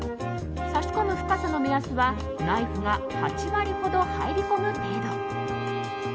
差し込む深さの目安はナイフが８割ほど入り込む程度。